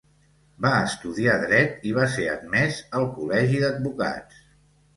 Va estudiar dret i va ser admès al col·legi d'advocats.